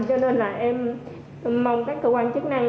cho nên là em mong các cơ quan chức năng